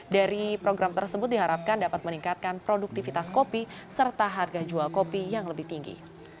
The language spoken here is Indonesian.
dari program tersebut diharapkan dapat meningkatkan produktivitas kopi serta harga jual kopi yang lebih tinggi